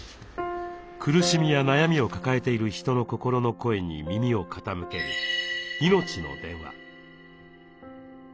苦しみや悩みを抱えている人の心の声に耳を傾ける「いのちの電話」。